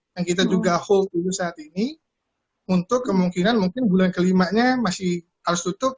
dan kita juga hold dulu saat ini untuk kemungkinan mungkin bulan ke lima nya masih harus tutup